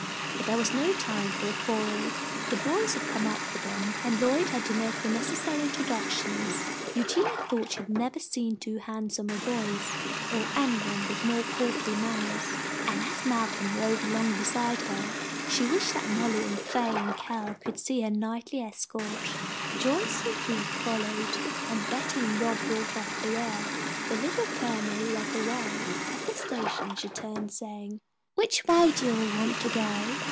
But there was no time for a quarrel. The boys had come up with them, and Lloyd had to make the necessary introductions. Eugenia thought she had never seen two handsomer boys, or any one with more courtly manners, and as Malcolm rode along beside her, she wished that Mollie and Fay and Kell could see her knightly escort. Joyce and Keith followed, and Betty and Rob brought up the rear. The Little Colonel led the way. At the station she turned, saying, "Which way do you all want to go?"